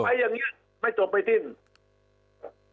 ไปอย่างนี้ไม่จบไปสิ่ง